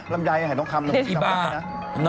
ลำไยช์อายุตรร้อน